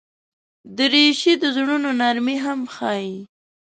دریشي د زړونو نرمي هم ښيي.